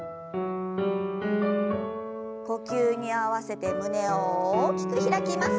呼吸に合わせて胸を大きく開きます。